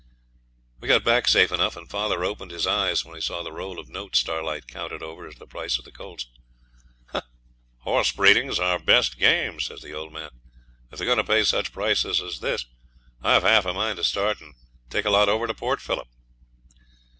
..... We got back safe enough, and father opened his eyes when he saw the roll of notes Starlight counted over as the price of the colts. 'Horse breeding's our best game,' says the old man, 'if they're going to pay such prices as this. I've half a mind to start and take a lot over to Port Phillip.'